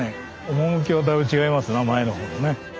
趣がだいぶ違いますな前の方のね。